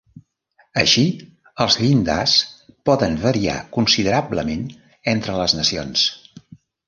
Així els llindars poden variar considerablement entre les nacions.